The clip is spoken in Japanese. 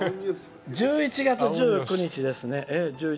１１月１９日ですね。